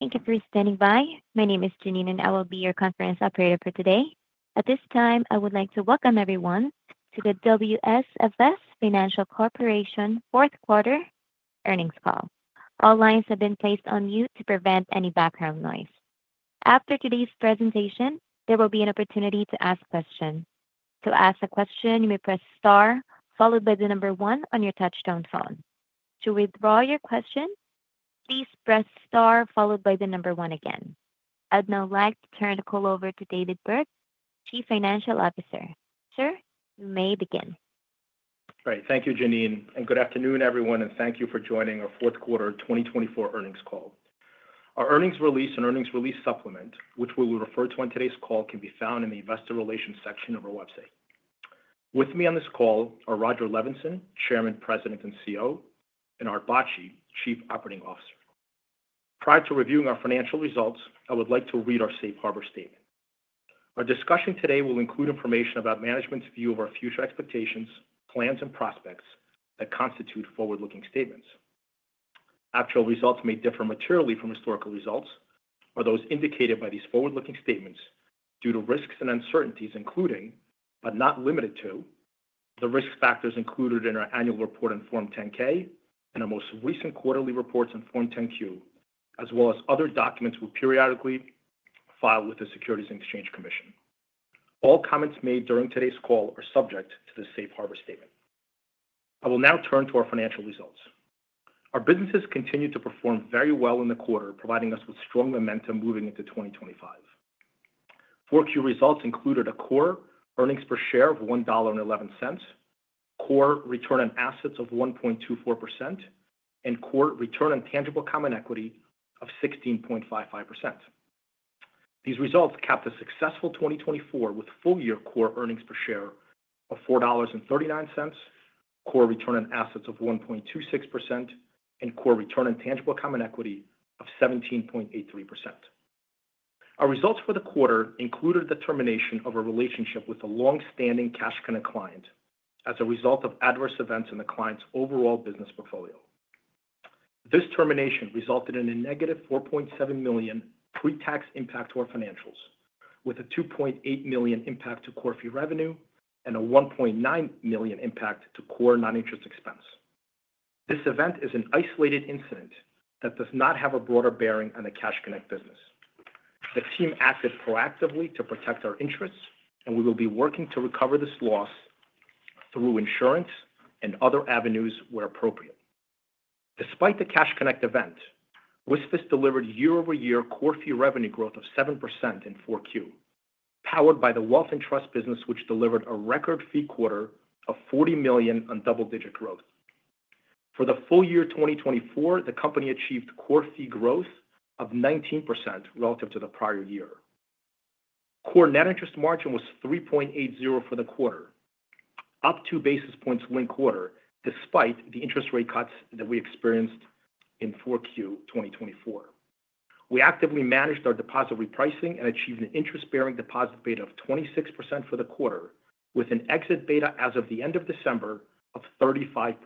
Thank you for standing by. My name is Janine, and I will be your conference operator for today. At this time, I would like to welcome everyone to the WSFS Financial Corporation fourth quarter earnings call. All lines have been placed on mute to prevent any background noise. After today's presentation, there will be an opportunity to ask a question. To ask a question, you may press star followed by the number one on your touchtone phone. To withdraw your question, please press star followed by the number one again. I'd now like to turn the call over to David Burg, Chief Financial Officer. Sir, you may begin. Great. Thank you, Janine. And good afternoon, everyone, and thank you for joining our Fourth Quarter 2024 earnings call. Our earnings release and earnings release supplement, which we will refer to on today's call, can be found in the Investor Relations section of our website. With me on this call are Rodger Levenson, Chairman, President, and CEO, and Arthur Bacci, Chief Operating Officer. Prior to reviewing our financial results, I would like to read our Safe Harbor Statement. Our discussion today will include information about management's view of our future expectations, plans, and prospects that constitute forward-looking statements. Actual results may differ materially from historical results or those indicated by these forward-looking statements due to risks and uncertainties, including, but not limited to, the risk factors included in our annual report on Form 10-K and our most recent quarterly reports on Form 10-Q, as well as other documents we periodically file with the Securities and Exchange Commission. All comments made during today's call are subject to the Safe Harbor Statement. I will now turn to our financial results. Our businesses continue to perform very well in the quarter, providing us with strong momentum moving into 2025. Four-Q results included a core earnings per share of $1.11, core return on assets of 1.24%, and core return on tangible common equity of 16.55%. These results capped a successful 2024 with full-year core earnings per share of $4.39, core return on assets of 1.26%, and core return on tangible common equity of 17.83%. Our results for the quarter included the termination of a relationship with a longstanding Cash Connect client as a result of adverse events in the client's overall business portfolio. This termination resulted in a negative $4.7 million pre-tax impact to our financials, with a $2.8 million impact to core fee revenue and a $1.9 million impact to core non-interest expense. This event is an isolated incident that does not have a broader bearing on the Cash Connect business. The team acted proactively to protect our interests, and we will be working to recover this loss through insurance and other avenues where appropriate. Despite the Cash Connect event, WSFS delivered year-over-year core fee revenue growth of 7% in Q4, powered by the Wealth and Trust business, which delivered a record fee quarter of $40 million on double-digit growth. For the full year 2024, the company achieved core fee growth of 19% relative to the prior year. Core net interest margin was 3.80% for the quarter, up two basis points one quarter, despite the interest rate cuts that we experienced in Q4 2024. We actively managed our deposit repricing and achieved an interest-bearing deposit rate of 26% for the quarter, with an exit beta as of the end of December of 35%.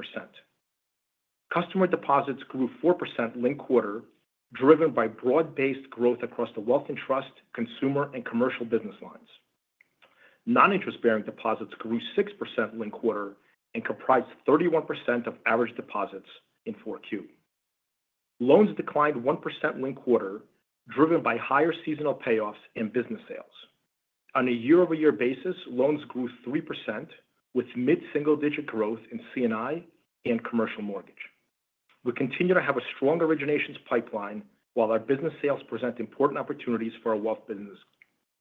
Customer deposits grew 4% one quarter, driven by broad-based growth across the Wealth and Trust, consumer, and commercial business lines. Non-interest-bearing deposits grew 6% one quarter and comprised 31% of average deposits in Q4. Loans declined 1% one quarter, driven by higher seasonal payoffs and business sales. On a year-over-year basis, loans grew 3%, with mid-single-digit growth in C&I and commercial mortgage. We continue to have a strong originations pipeline while our business sales present important opportunities for our wealth business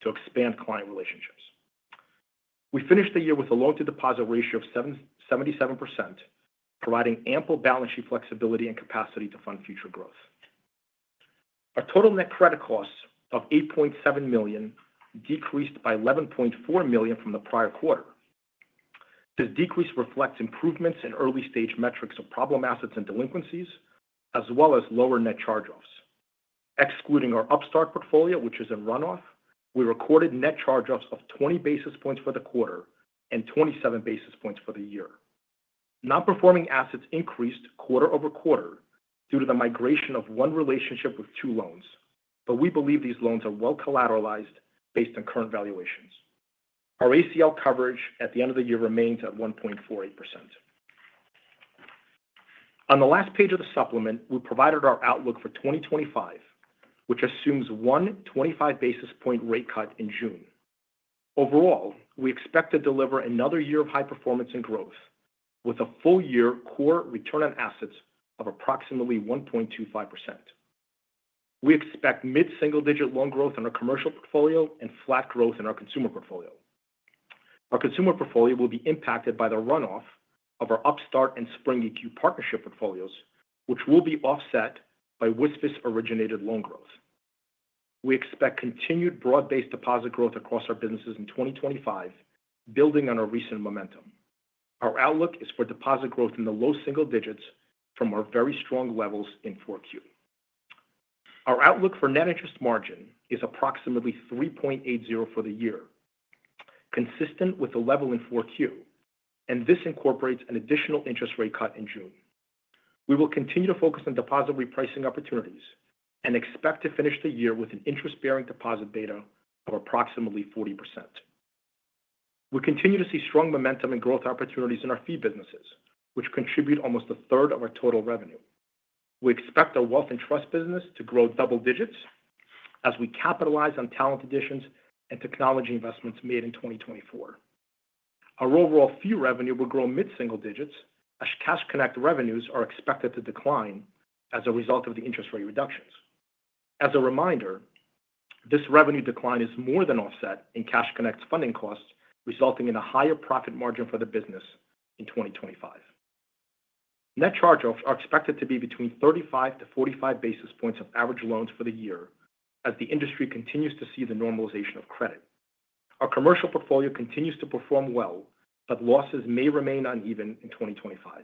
to expand client relationships. We finished the year with a loan-to-deposit ratio of 77%, providing ample balance sheet flexibility and capacity to fund future growth. Our total net credit costs of $8.7 million decreased by $11.4 million from the prior quarter. This decrease reflects improvements in early-stage metrics of problem assets and delinquencies, as well as lower net charge-offs. Excluding our Upstart portfolio, which is in runoff, we recorded net charge-offs of 20 basis points for the quarter and 27 basis points for the year. Non-performing assets increased quarter-over-quarter due to the migration of one relationship with two loans, but we believe these loans are well-collateralized based on current valuations. Our ACL coverage at the end of the year remains at 1.48%. On the last page of the supplement, we provided our outlook for 2025, which assumes one 25-basis-point rate cut in June. Overall, we expect to deliver another year of high performance and growth, with a full-year core return on assets of approximately 1.25%. We expect mid-single-digit loan growth in our commercial portfolio and flat growth in our consumer portfolio. Our consumer portfolio will be impacted by the runoff of our Upstart and Spring EQ partnership portfolios, which will be offset by WSFS-originated loan growth. We expect continued broad-based deposit growth across our businesses in 2025, building on our recent momentum. Our outlook is for deposit growth in the low single digits from our very strong levels in 4Q. Our outlook for net interest margin is approximately 3.80% for the year, consistent with the level in 4Q, and this incorporates an additional interest rate cut in June. We will continue to focus on deposit repricing opportunities and expect to finish the year with an interest-bearing deposit beta of approximately 40%. We continue to see strong momentum and growth opportunities in our fee businesses, which contribute almost a third of our total revenue. We expect our Wealth and Trust business to grow double digits as we capitalize on talent additions and technology investments made in 2024. Our overall fee revenue will grow mid-single digits, as Cash Connect revenues are expected to decline as a result of the interest rate reductions. As a reminder, this revenue decline is more than offset in Cash Connect funding costs, resulting in a higher profit margin for the business in 2025. Net Charge-Offs are expected to be between 35 to 45 basis points of average loans for the year as the industry continues to see the normalization of credit. Our commercial portfolio continues to perform well, but losses may remain uneven in 2025.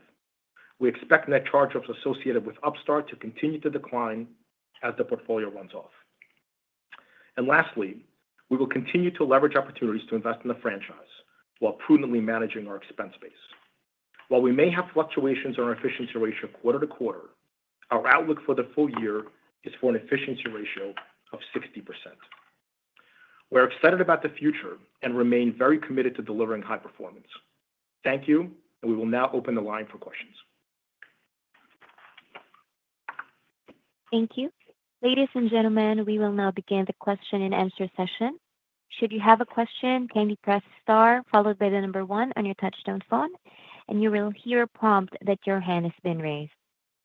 We expect Net Charge-Offs associated with Upstart to continue to decline as the portfolio runs off. And lastly, we will continue to leverage opportunities to invest in the franchise while prudently managing our expense base. While we may have fluctuations in our efficiency ratio quarter to quarter, our outlook for the full year is for an efficiency ratio of 60%. We're excited about the future and remain very committed to delivering high performance. Thank you, and we will now open the line for questions. Thank you. Ladies and gentlemen, we will now begin the question-and-answer session. Should you have a question, kindly press star followed by the number one on your touch-tone phone, and you will hear a prompt that your hand has been raised.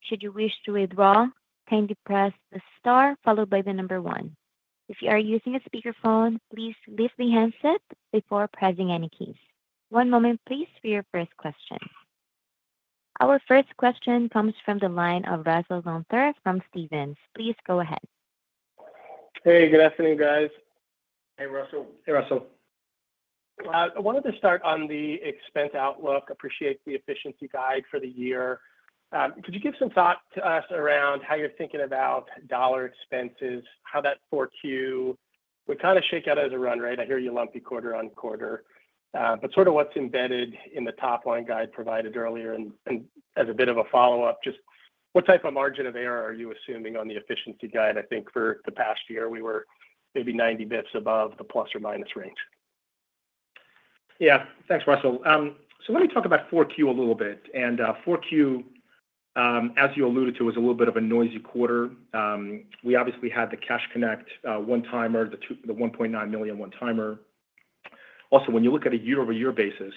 Should you wish to withdraw, kindly press the star followed by the number one. If you are using a speakerphone, please lift the handset before pressing any keys. One moment, please, for your first question. Our first question comes from the line of Russell Gunther from Stephens. Please go ahead. Hey, good afternoon, guys. Hey, Russell. Hey, Russell. I wanted to start on the expense outlook. Appreciate the efficiency guide for the year. Could you give some thought to us around how you're thinking about dollar expenses, how that 4Q would kind of shake out as a run, right? I hear you lumpy quarter on quarter. But sort of what's embedded in the top line guide provided earlier and as a bit of a follow-up, just what type of margin of error are you assuming on the efficiency guide? I think for the past year, we were maybe 90 basis points above the plus or minus range. Yeah. Thanks, Russell. So let me talk about 4Q a little bit. And 4Q, as you alluded to, was a little bit of a noisy quarter. We obviously had the Cash Connect one-timer, the $1.9 million one-timer. Also, when you look at a year-over-year basis,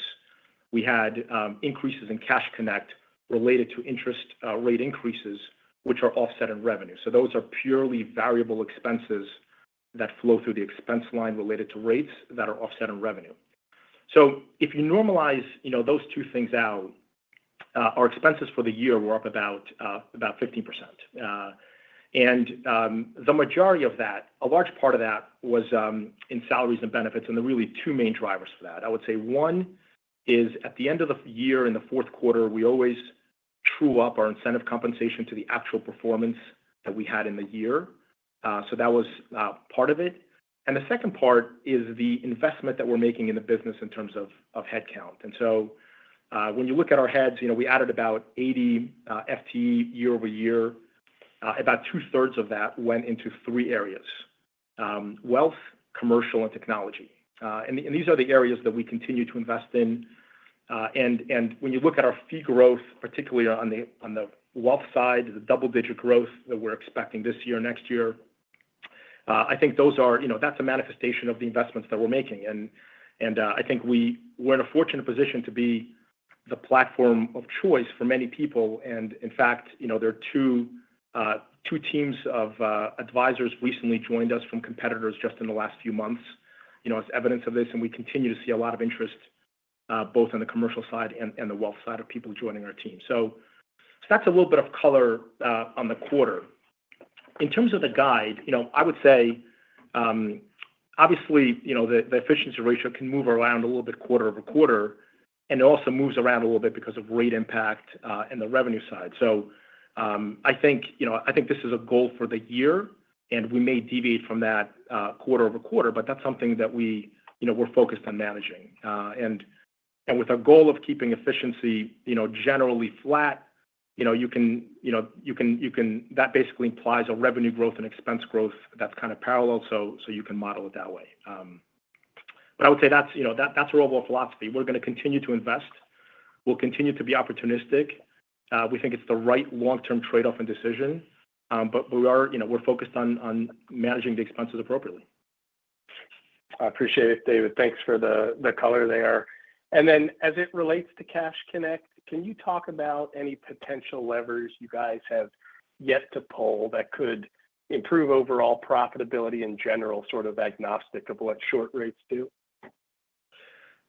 we had increases in Cash Connect related to interest rate increases, which are offset in revenue. So those are purely variable expenses that flow through the expense line related to rates that are offset in revenue. So if you normalize those two things out, our expenses for the year were up about 15%. And the majority of that, a large part of that, was in salaries and benefits and the really two main drivers for that. I would say one is at the end of the year in the fourth quarter, we always true up our incentive compensation to the actual performance that we had in the year. So that was part of it. And the second part is the investment that we're making in the business in terms of headcount. And so when you look at our heads, we added about 80 FTE year-over-year. About two-thirds of that went into three areas: wealth, commercial, and technology. And these are the areas that we continue to invest in. And when you look at our fee growth, particularly on the wealth side, the double-digit growth that we're expecting this year and next year, I think that's a manifestation of the investments that we're making. And I think we're in a fortunate position to be the platform of choice for many people. And in fact, there are two teams of advisors recently joined us from competitors just in the last few months as evidence of this. And we continue to see a lot of interest both on the commercial side and the wealth side of people joining our team. So that's a little bit of color on the quarter. In terms of the guide, I would say, obviously, the efficiency ratio can move around a little bit quarter over quarter, and it also moves around a little bit because of rate impact and the revenue side. So I think this is a goal for the year, and we may deviate from that quarter-over-quarter, but that's something that we're focused on managing. And with our goal of keeping efficiency generally flat, you can, that basically implies a revenue growth and expense growth that's kind of parallel, so you can model it that way. But I would say that's our overall philosophy. We're going to continue to invest. We'll continue to be opportunistic. We think it's the right long-term trade-off and decision, but we're focused on managing the expenses appropriately. I appreciate it, David. Thanks for the color there. And then as it relates to Cash Connect, can you talk about any potential levers you guys have yet to pull that could improve overall profitability in general, sort of agnostic of what short rates do?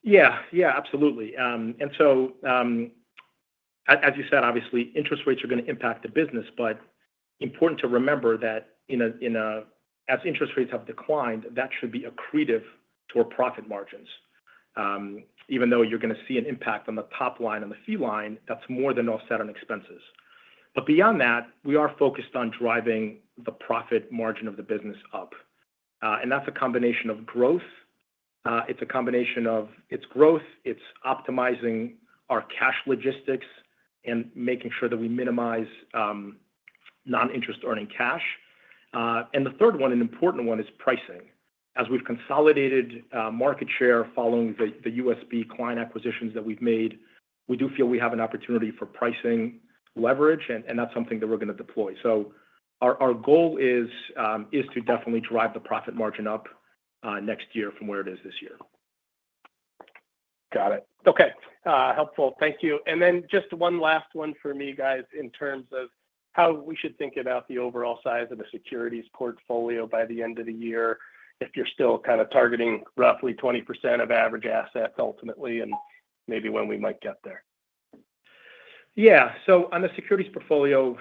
Yeah. Yeah, absolutely. And so, as you said, obviously, interest rates are going to impact the business, but important to remember that as interest rates have declined, that should be accretive to our profit margins. Even though you're going to see an impact on the top line and the fee line, that's more than offset on expenses. But beyond that, we are focused on driving the profit margin of the business up. And that's a combination of growth. It's a combination of its growth, it's optimizing our cash logistics, and making sure that we minimize non-interest earning cash. And the third one, an important one, is pricing. As we've consolidated market share following the USB client acquisitions that we've made, we do feel we have an opportunity for pricing leverage, and that's something that we're going to deploy. So our goal is to definitely drive the profit margin up next year from where it is this year. Got it. Okay. Helpful. Thank you. And then just one last one for me, guys, in terms of how we should think about the overall size of the securities portfolio by the end of the year if you're still kind of targeting roughly 20% of average assets ultimately and maybe when we might get there? Yeah. So on the securities portfolio,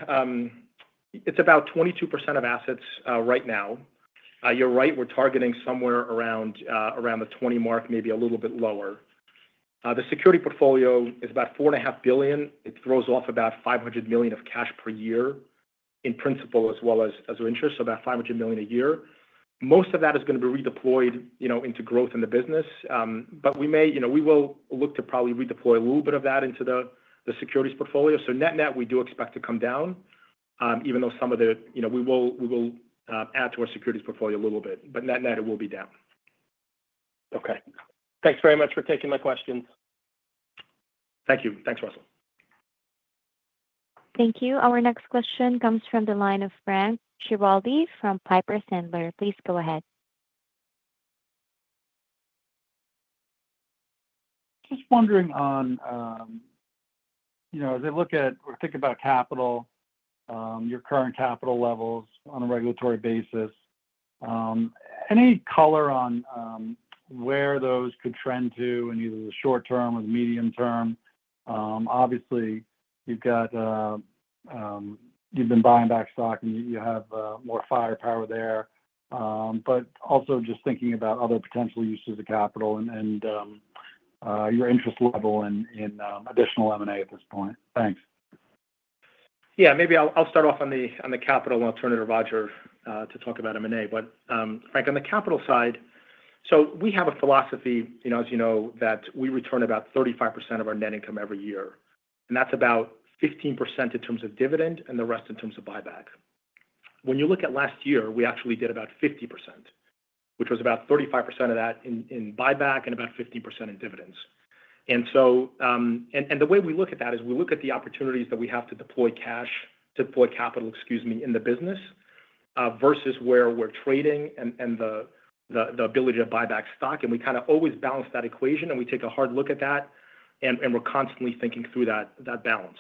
it's about 22% of assets right now. You're right, we're targeting somewhere around the 20 mark, maybe a little bit lower. The securities portfolio is about $4.5 billion. It throws off about $500 million of cash per year in principal as well as interest, so about $500 million a year. Most of that is going to be redeployed into growth in the business, but we will look to probably redeploy a little bit of that into the securities portfolio. So net-net, we do expect to come down, even though some of the—we will add to our securities portfolio a little bit, but net-net, it will be down. Okay. Thanks very much for taking my questions. Thank you. Thanks, Russell. Thank you. Our next question comes from the line of Frank Schiraldi from Piper Sandler. Please go ahead. Just wondering on, as I look at or think about capital, your current capital levels on a regulatory basis, any color on where those could trend to in either the short term or the medium term? Obviously, you've been buying back stock, and you have more firepower there, but also just thinking about other potential uses of capital and your interest level in additional M&A at this point. Thanks. Yeah. Maybe I'll start off on the capital and I'll turn it to Roger to talk about M&A. But Frank, on the capital side, so we have a philosophy, as you know, that we return about 35% of our net income every year. And that's about 15% in terms of dividend and the rest in terms of buyback. When you look at last year, we actually did about 50%, which was about 35% of that in buyback and about 15% in dividends. And the way we look at that is we look at the opportunities that we have to deploy cash, to deploy capital, excuse me, in the business versus where we're trading and the ability to buy back stock. And we kind of always balance that equation, and we take a hard look at that, and we're constantly thinking through that balance.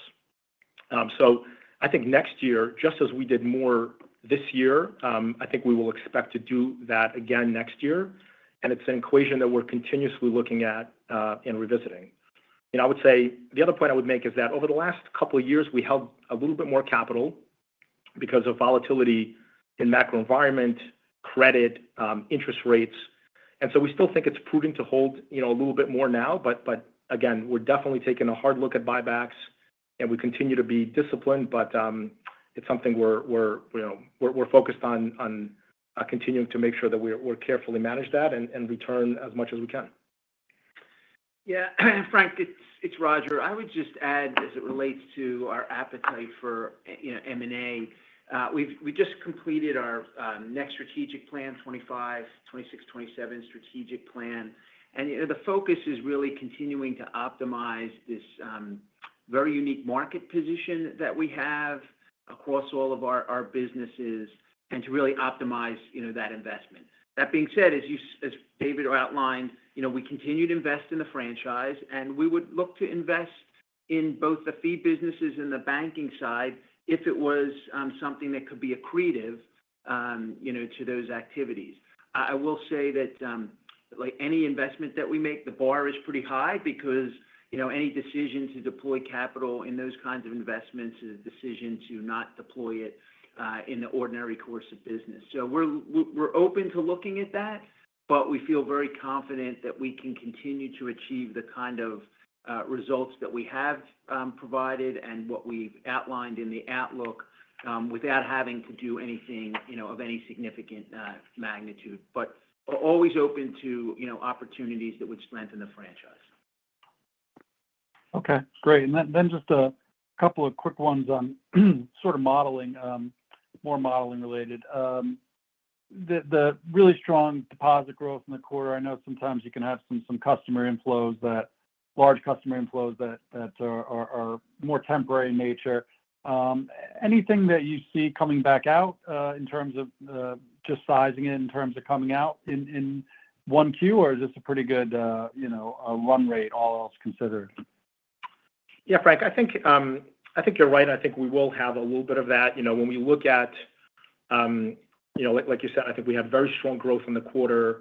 So I think next year, just as we did more this year, I think we will expect to do that again next year. And it's an equation that we're continuously looking at and revisiting. And I would say the other point I would make is that over the last couple of years, we held a little bit more capital because of volatility in macro environment, credit, interest rates. And so we still think it's prudent to hold a little bit more now, but again, we're definitely taking a hard look at buybacks, and we continue to be disciplined, but it's something we're focused on continuing to make sure that we're carefully manage that and return as much as we can. Yeah. Frank, it's Roger. I would just add as it relates to our appetite for M&A. We just completed our next strategic plan, 2025, 2026, 2027 strategic plan. And the focus is really continuing to optimize this very unique market position that we have across all of our businesses and to really optimize that investment. That being said, as David outlined, we continue to invest in the franchise, and we would look to invest in both the fee businesses and the banking side if it was something that could be accretive to those activities. I will say that any investment that we make, the bar is pretty high because any decision to deploy capital in those kinds of investments is a decision to not deploy it in the ordinary course of business. So we're open to looking at that, but we feel very confident that we can continue to achieve the kind of results that we have provided and what we've outlined in the outlook without having to do anything of any significant magnitude, but always open to opportunities that would strengthen the franchise. Okay. Great. And then just a couple of quick ones on sort of modeling, more modeling related. The really strong deposit growth in the quarter, I know sometimes you can have some customer inflows, large customer inflows that are more temporary in nature. Anything that you see coming back out in terms of just sizing it in terms of coming out in one Q, or is this a pretty good run rate, all else considered? Yeah, Frank, I think you're right. I think we will have a little bit of that. When we look at, like you said, I think we have very strong growth in the quarter,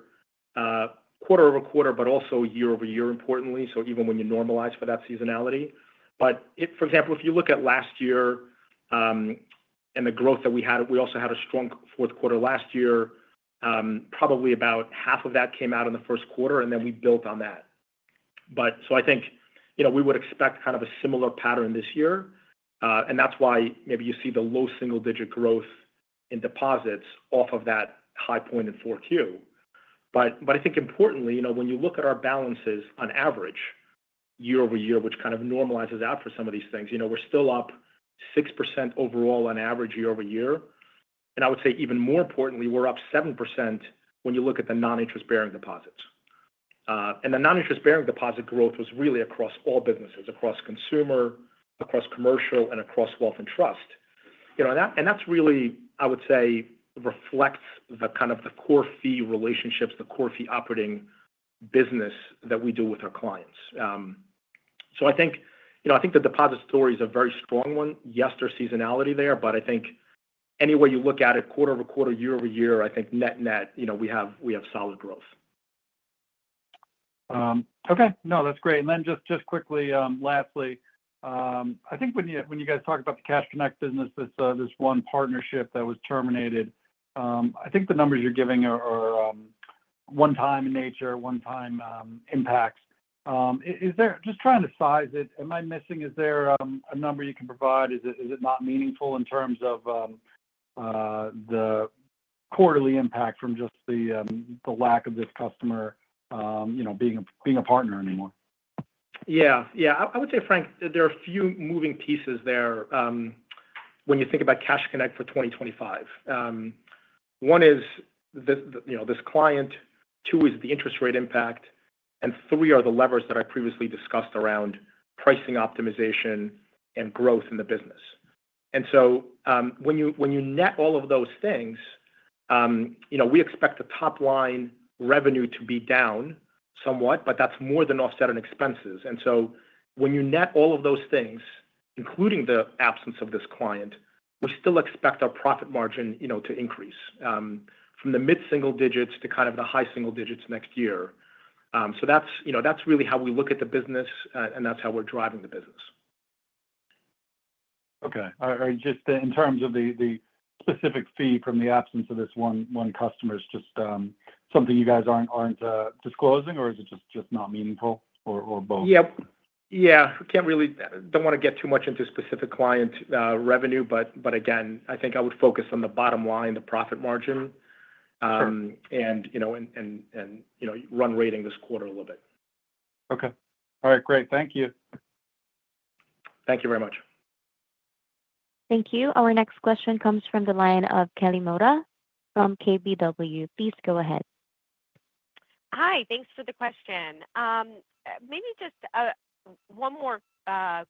quarter-over-quarter, but also year-over-year, importantly, so even when you normalize for that seasonality. But for example, if you look at last year and the growth that we had, we also had a strong fourth quarter last year. Probably about half of that came out in the first quarter, and then we built on that. So I think we would expect kind of a similar pattern this year. And that's why maybe you see the low single-digit growth in deposits off of that high point in four Q. But I think importantly, when you look at our balances on average year-over-year, which kind of normalizes out for some of these things, we're still up 6% overall on average year-over-year. And I would say even more importantly, we're up 7% when you look at the non-interest bearing deposits. And the non-interest bearing deposit growth was really across all businesses, across consumer, across commercial, and across Wealth and Trust. And that really, I would say, reflects the kind of the core fee relationships, the core fee operating business that we do with our clients. So I think the deposit story is a very strong one. Yes, there's seasonality there, but I think any way you look at it, quarter-over-quarter, year-over-year, I think net-net, we have solid growth. Okay. No, that's great. And then just quickly, lastly, I think when you guys talk about the Cash Connect business, this one partnership that was terminated, I think the numbers you're giving are one-time in nature, one-time impacts. Just trying to size it, am I missing? Is there a number you can provide? Is it not meaningful in terms of the quarterly impact from just the lack of this customer being a partner anymore? Yeah. Yeah. I would say, Frank, there are a few moving pieces there when you think about Cash Connect for 2025. One is this client, two is the interest rate impact, and three are the levers that I previously discussed around pricing optimization and growth in the business. And so when you net all of those things, we expect the top line revenue to be down somewhat, but that's more than offset on expenses. And so when you net all of those things, including the absence of this client, we still expect our profit margin to increase from the mid-single digits to kind of the high single digits next year. So that's really how we look at the business, and that's how we're driving the business. Okay. Just in terms of the specific fee from the absence of this one customer, it's just something you guys aren't disclosing, or is it just not meaningful, or both? Yep. Yeah. I don't want to get too much into specific client revenue, but again, I think I would focus on the bottom line, the profit margin, and run rating this quarter a little bit. Okay. All right. Great. Thank you. Thank you very much. Thank you. Our next question comes from the line of Kelly Motta from KBW. Please go ahead. Hi. Thanks for the question. Maybe just one more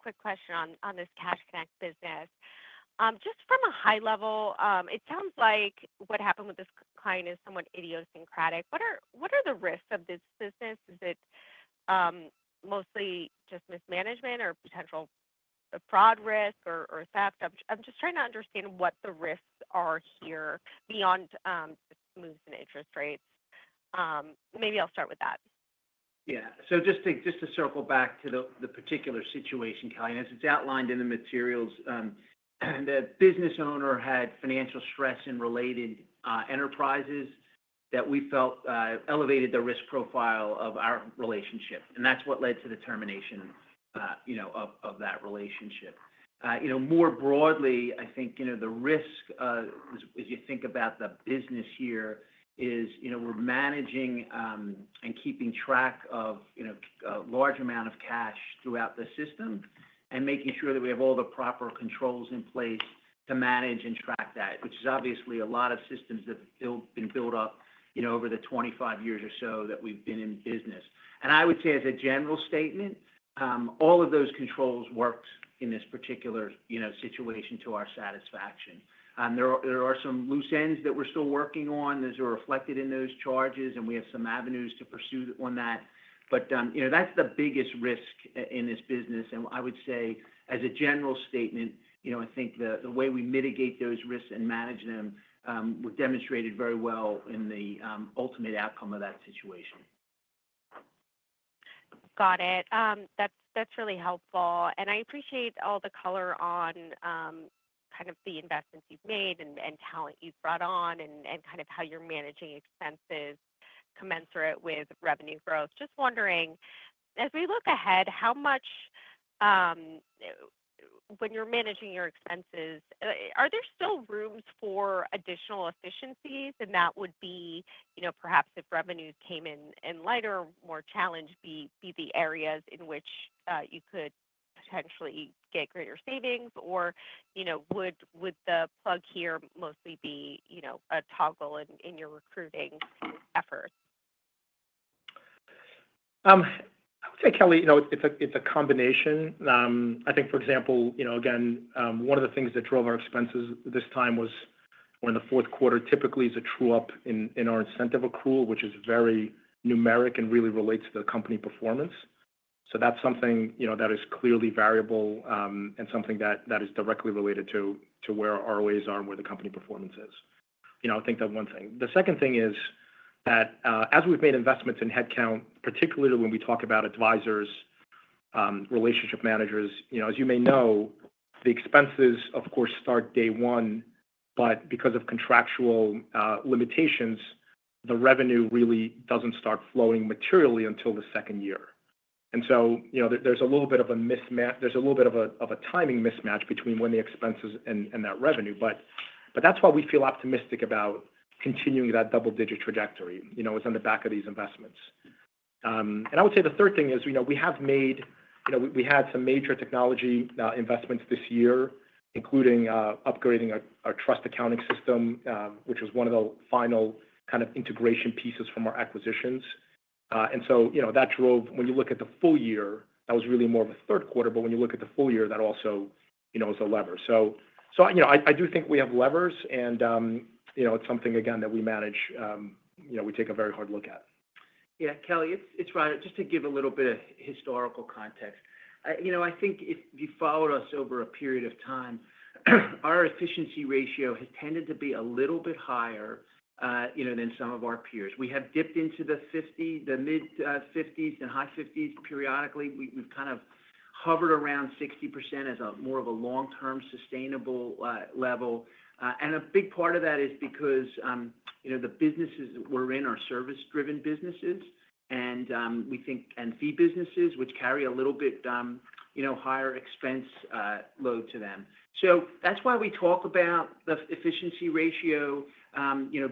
quick question on this Cash Connect business. Just from a high level, it sounds like what happened with this client is somewhat idiosyncratic. What are the risks of this business? Is it mostly just mismanagement or potential fraud risk or theft? I'm just trying to understand what the risks are here beyond just moves and interest rates. Maybe I'll start with that. Yeah. So just to circle back to the particular situation, Kelly, as it's outlined in the materials, the business owner had financial stress in related enterprises that we felt elevated the risk profile of our relationship. And that's what led to the termination of that relationship. More broadly, I think the risk, as you think about the business here, is we're managing and keeping track of a large amount of cash throughout the system and making sure that we have all the proper controls in place to manage and track that, which is obviously a lot of systems that have been built up over the 25 years or so that we've been in business. And I would say as a general statement, all of those controls worked in this particular situation to our satisfaction. There are some loose ends that we're still working on that are reflected in those charges, and we have some avenues to pursue on that. But that's the biggest risk in this business, and I would say, as a general statement, I think the way we mitigate those risks and manage them was demonstrated very well in the ultimate outcome of that situation. Got it. That's really helpful, and I appreciate all the color on kind of the investments you've made and talent you've brought on and kind of how you're managing expenses commensurate with revenue growth. Just wondering, as we look ahead, when you're managing your expenses, are there still rooms for additional efficiencies, and that would be perhaps if revenues came in lighter, more challenged, what would be the areas in which you could potentially get greater savings, or would the plug here mostly be a toggle in your recruiting efforts? I would say, Kelly, it's a combination. I think, for example, again, one of the things that drove our expenses this time was when the fourth quarter typically is a true-up in our incentive accrual, which is very numeric and really relates to the company performance. So that's something that is clearly variable and something that is directly related to where our ROAs are and where the company performance is. I think that's one thing. The second thing is that as we've made investments in headcount, particularly when we talk about advisors, relationship managers, as you may know, the expenses, of course, start day one, but because of contractual limitations, the revenue really doesn't start flowing materially until the second year. And so there's a little bit of a mismatch. There's a little bit of a timing mismatch between when the expenses and that revenue. But that's why we feel optimistic about continuing that double-digit trajectory on the back of these investments. And I would say the third thing is we have made, we had some major technology investments this year, including upgrading our trust accounting system, which was one of the final kind of integration pieces from our acquisitions. And so that drove, when you look at the full year, that was really more of a third quarter, but when you look at the full year, that also is a lever. So I do think we have levers, and it's something, again, that we manage. We take a very hard look at. Yeah. Kelly, it's Roger. Just to give a little bit of historical context, I think if you followed us over a period of time, our efficiency ratio has tended to be a little bit higher than some of our peers. We have dipped into the mid-50s% and high-50s% periodically. We've kind of hovered around 60% as more of a long-term sustainable level. And a big part of that is because the businesses we're in are service-driven businesses, and we think—and fee businesses, which carry a little bit higher expense load to them. So that's why we talk about the efficiency ratio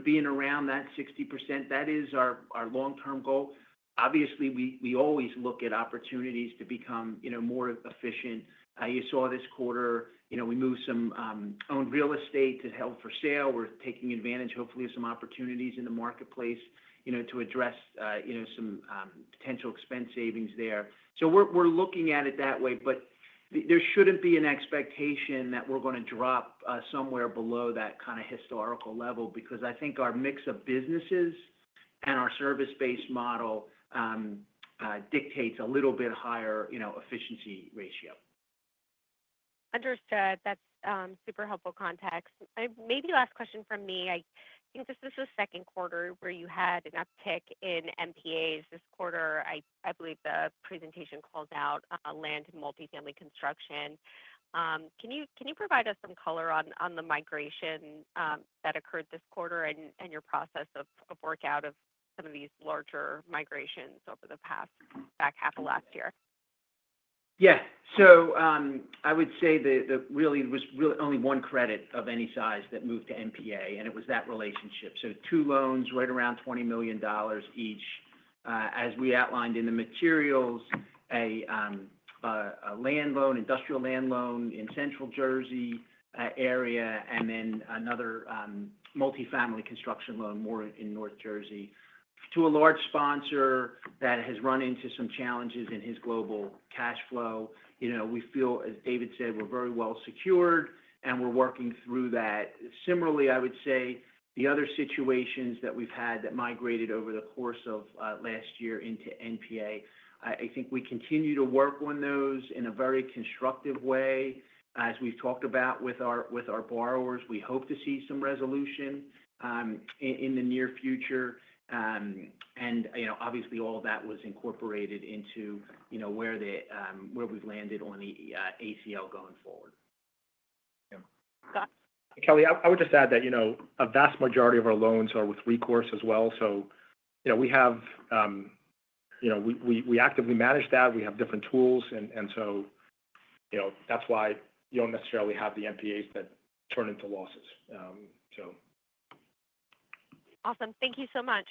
being around that 60%. That is our long-term goal. Obviously, we always look at opportunities to become more efficient. You saw this quarter, we moved some owned real estate to held for sale. We're taking advantage, hopefully, of some opportunities in the marketplace to address some potential expense savings there. So we're looking at it that way, but there shouldn't be an expectation that we're going to drop somewhere below that kind of historical level because I think our mix of businesses and our service-based model dictates a little bit higher efficiency ratio. Understood. That's super helpful context. Maybe last question from me. I think this is the second quarter where you had an uptick in NPAs. This quarter, I believe the presentation calls out land and multifamily construction. Can you provide us some color on the migration that occurred this quarter and your process for working out some of these larger migrations over the past half of last year? Yeah. So I would say that really it was only one credit of any size that moved to NPA, and it was that relationship. So two loans right around $20 million each, as we outlined in the materials, a land loan, industrial land loan in Central Jersey area, and then another multifamily construction loan more in North Jersey to a large sponsor that has run into some challenges in his global cash flow. We feel, as David said, we're very well secured, and we're working through that. Similarly, I would say the other situations that we've had that migrated over the course of last year into NPA. I think we continue to work on those in a very constructive way. As we've talked about with our borrowers, we hope to see some resolution in the near future. Obviously, all of that was incorporated into where we've landed on the ACL going forward. Got it. Kelly, I would just add that a vast majority of our loans are with recourse as well. So we have. We actively manage that. We have different tools, and so that's why you don't necessarily have the NPAs that turn into losses, so. Awesome. Thank you so much.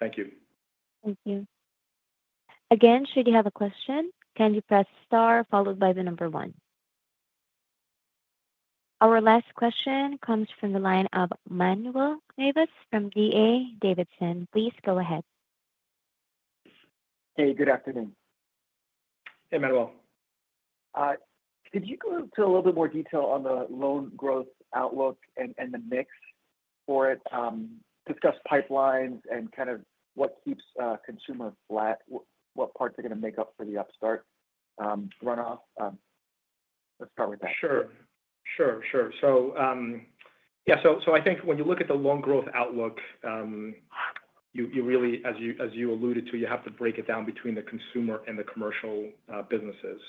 Thank you. Thank you. Again, should you have a question, can you press star followed by the number one? Our last question comes from the line of Manuel Navas from D.A. Davidson. Please go ahead. Hey, good afternoon. Hey, Manuel. Could you go into a little bit more detail on the loan growth outlook and the mix for it? Discuss pipelines and kind of what keeps consumers flat, what parts are going to make up for the Upstart runoff. Let's start with that. Sure. So yeah, so I think when you look at the loan growth outlook, as you alluded to, you have to break it down between the consumer and the commercial businesses.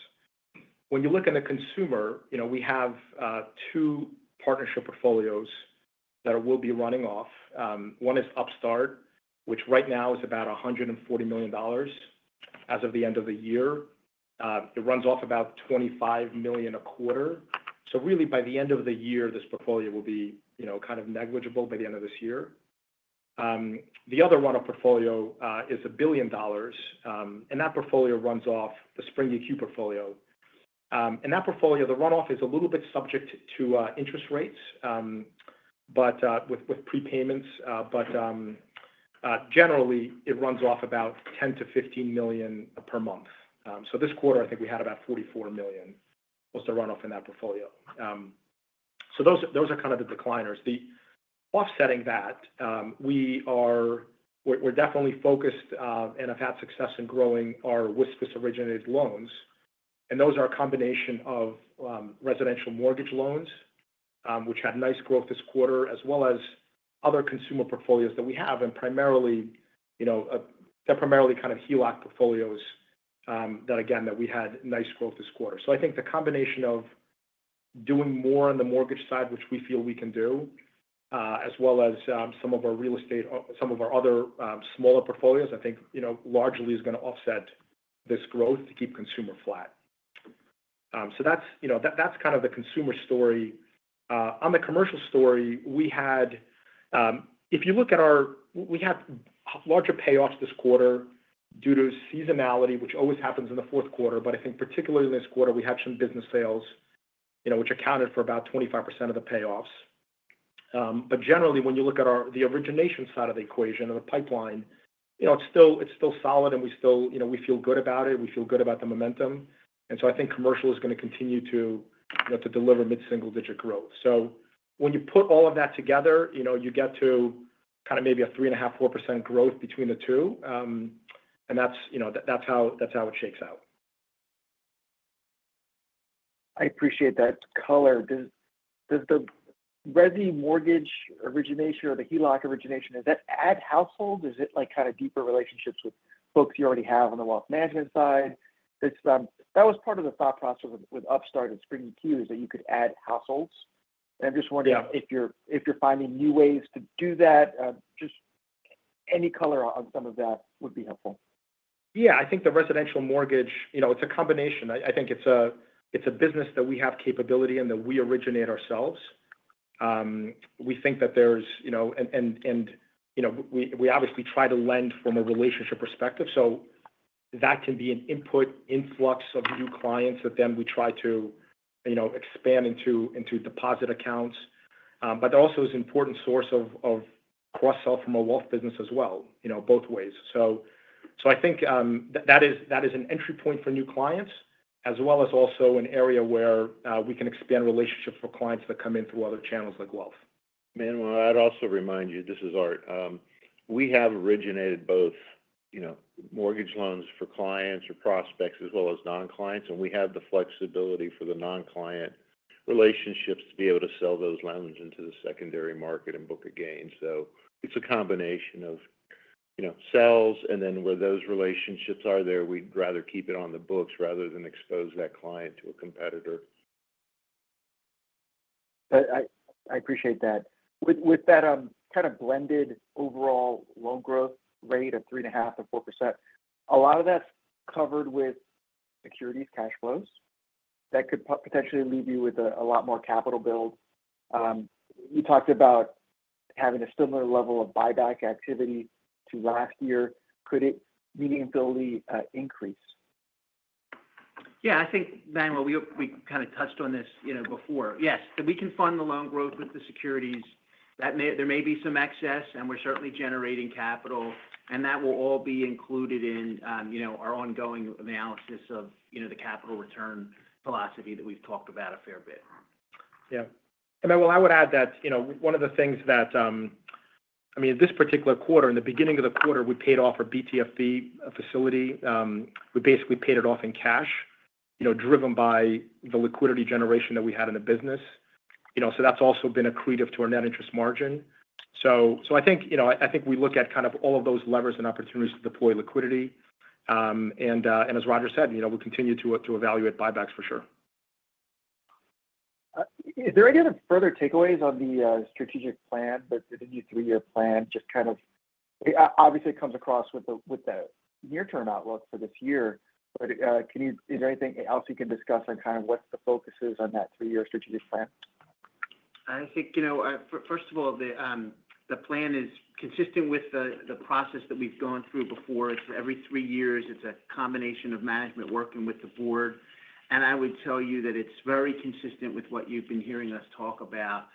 When you look at the consumer, we have two partnership portfolios that will be running off. One is Upstart, which right now is about $140 million as of the end of the year. It runs off about $25 million a quarter. So really, by the end of the year, this portfolio will be kind of negligible by the end of this year. The other portfolio is $1 billion, and that portfolio is the Spring EQ portfolio. In that portfolio, the runoff is a little bit subject to interest rates with prepayments, but generally, it runs off about $10-$15 million per month. So this quarter, I think we had about $44 million was the runoff in that portfolio. So those are kind of the decliners. Offsetting that, we're definitely focused and have had success in growing our WSFS-originated loans. And those are a combination of residential mortgage loans, which had nice growth this quarter, as well as other consumer portfolios that we have, and they're primarily kind of HELOC portfolios that, again, we had nice growth this quarter. So I think the combination of doing more on the mortgage side, which we feel we can do, as well as some of our real estate, some of our other smaller portfolios, I think largely is going to offset this growth to keep consumer flat. So that's kind of the consumer story. On the commercial story, if you look at our, we had larger payoffs this quarter due to seasonality, which always happens in the fourth quarter, but I think particularly in this quarter, we had some business sales, which accounted for about 25% of the payoffs, but generally, when you look at the origination side of the equation of the pipeline, it's still solid, and we feel good about it. We feel good about the momentum, and so I think commercial is going to continue to deliver mid-single-digit growth, so when you put all of that together, you get to kind of maybe a 3.5%-4% growth between the two, and that's how it shakes out. I appreciate that color. Does the residential mortgage origination or the HELOC origination, is that add households? Is it kind of deeper relationships with folks you already have on the wealth management side? That was part of the thought process with Upstart and Spring EQ, is that you could add households. And I'm just wondering if you're finding new ways to do that. Just any color on some of that would be helpful. Yeah. I think the residential mortgage, it's a combination. I think it's a business that we have capability and that we originate ourselves. We think that there's, and we obviously try to lend from a relationship perspective. So that can be an input influx of new clients that then we try to expand into deposit accounts. But it also is an important source of cross-sell from a wealth business as well, both ways. So I think that is an entry point for new clients, as well as also an area where we can expand relationships for clients that come in through other channels like wealth. Manuel, I'd also remind you, this is Art. We have originated both mortgage loans for clients or prospects as well as non-clients, and we have the flexibility for the non-client relationships to be able to sell those loans into the secondary market and book a gain. So it's a combination of sales, and then where those relationships are there, we'd rather keep it on the books rather than expose that client to a competitor. I appreciate that. With that kind of blended overall loan growth rate of 3.5%-4%, a lot of that's covered with securities, cash flows that could potentially leave you with a lot more capital build. You talked about having a similar level of buyback activity to last year. Could it meaningfully increase? Yeah. I think, Manuel, we kind of touched on this before. Yes. We can fund the loan growth with the securities. There may be some excess, and we're certainly generating capital, and that will all be included in our ongoing analysis of the capital return philosophy that we've talked about a fair bit. Yeah. And Manuel, I would add that one of the things that, I mean, this particular quarter, in the beginning of the quarter, we paid off a BTFP facility. We basically paid it off in cash, driven by the liquidity generation that we had in the business. So that's also been accretive to our net interest margin. So I think we look at kind of all of those levers and opportunities to deploy liquidity. And as Roger said, we'll continue to evaluate buybacks for sure. Is there any other further takeaways on the strategic plan, the new three-year plan? Just kind of obviously, it comes across with the near-term outlook for this year, but is there anything else you can discuss on kind of what the focus is on that three-year strategic plan? I think, first of all, the plan is consistent with the process that we've gone through before. It's every three years. It's a combination of management working with the board, and I would tell you that it's very consistent with what you've been hearing us talk about.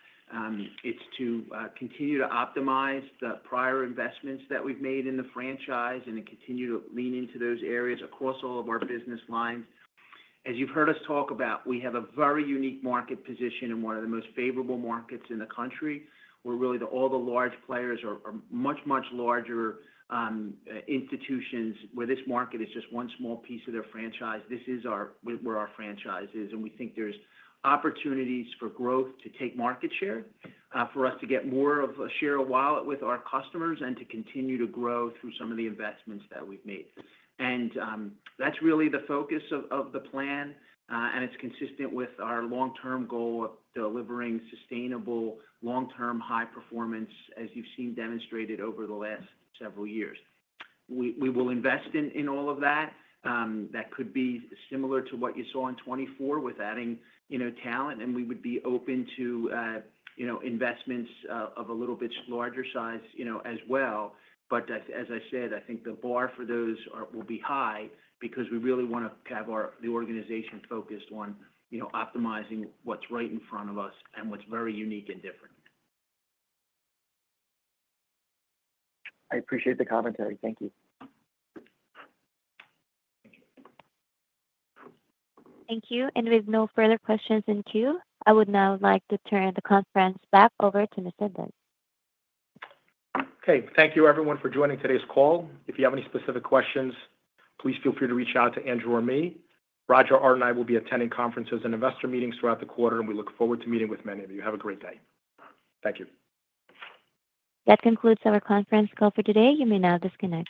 It's to continue to optimize the prior investments that we've made in the franchise and continue to lean into those areas across all of our business lines. As you've heard us talk about, we have a very unique market position in one of the most favorable markets in the country, where really all the large players are much, much larger institutions, where this market is just one small piece of their franchise. This is where our franchise is, and we think there's opportunities for growth to take market share, for us to get more of a share of wallet with our customers, and to continue to grow through some of the investments that we've made. And that's really the focus of the plan, and it's consistent with our long-term goal of delivering sustainable long-term high performance, as you've seen demonstrated over the last several years. We will invest in all of that. That could be similar to what you saw in 2024 with adding talent, and we would be open to investments of a little bit larger size as well. But as I said, I think the bar for those will be high because we really want to have the organization focused on optimizing what's right in front of us and what's very unique and different. I appreciate the commentary. Thank you. Thank you. And with no further questions in queue, I would now like to turn the conference back over to Mr. Burg. Okay. Thank you, everyone, for joining today's call. If you have any specific questions, please feel free to reach out to Andrew or me. Roger, Art and I will be attending conferences and investor meetings throughout the quarter, and we look forward to meeting with many of you. Have a great day. Thank you. That concludes our conference call for today. You may now disconnect.